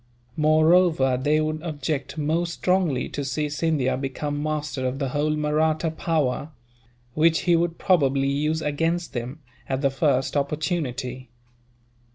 Moreover, they would object most strongly to see Scindia become master of the whole Mahratta power; which he would probably use against them, at the first opportunity.